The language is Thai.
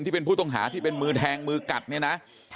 ที่เป็นผู้ต้องหาที่เป็นมือแทงมือกัดเนี่ยนะ